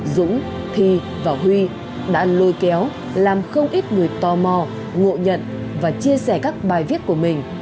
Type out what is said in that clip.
dũng thi và huy đã lôi kéo làm không ít người tò mò ngộ nhận và chia sẻ các bài viết của mình